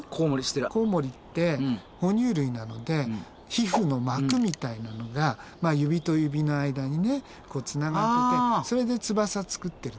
コウモリって哺乳類なので皮膚の膜みたいなのが指と指の間にねつながっててそれで翼作ってるんだよね。